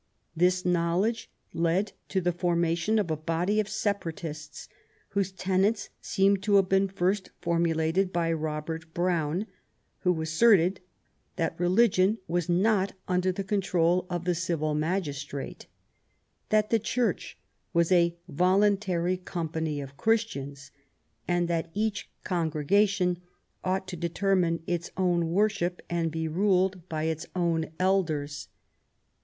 This knowledge led to the formation of a body of Separatists, whose tenets seem to have been first formulated by Robert Browne, who asserted that religion was not under the control of the civil magistrate, that the Church was a voluntary company of Christians, and that each congregation ought to determine its own worship and be ruled by its own elders.